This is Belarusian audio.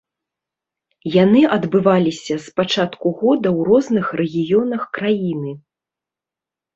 Яны адбываліся з пачатку года ў розных рэгіёнах краіны.